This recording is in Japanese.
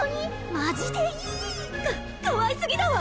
マジでいいかかわいすぎだわ！